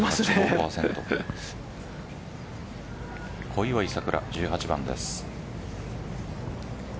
小祝さくら、１８番です。